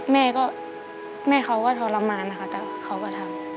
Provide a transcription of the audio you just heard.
แม่ก็แม่เขาก็ทรมานนะคะแต่เขาก็ทำ